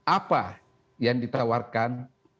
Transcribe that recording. apa yang ditawarkan